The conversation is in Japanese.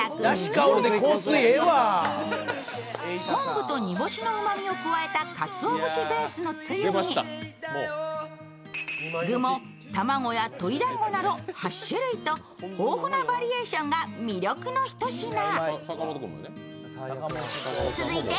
昆布と煮干しのうまみを加えたかつお節ベースのつゆに具も卵や鶏だんごなど８種類と豊富なバリエーションが魅力なひと品。